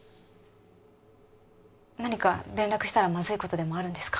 何か連絡したらまずいことでもあるんですか？